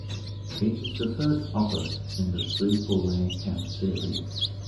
It is the third opus in the Sleepaway Camp series.